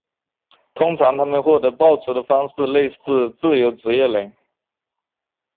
通常他们获得报酬的方式类似自由职业人。